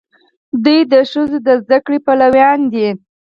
دوی د ښځو د زده کړې پلویان دي.